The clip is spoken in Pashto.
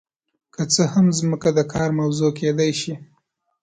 که څه هم ځمکه د کار موضوع کیدای شي.